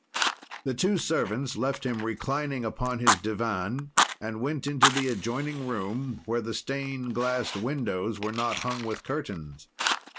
The two servants left him reclining upon his divan and went into the adjoining room, where the stained glass windows were not hung with curtains.